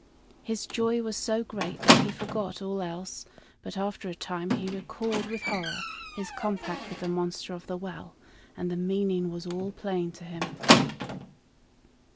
His joy was so great that he forgot all else; but after a time he recalled with horror his compact with the monster of the well, and the meaning was all plain to him.